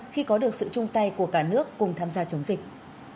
khi có được sự chung tay của cả nước cùng tham gia chống dịch